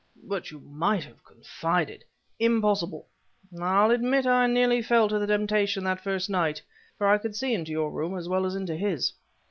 "But you might have confided..." "Impossible! I'll admit I nearly fell to the temptation that first night; for I could see into your room as well as into his!"